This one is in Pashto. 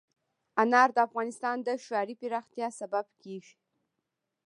انار د افغانستان د ښاري پراختیا سبب کېږي.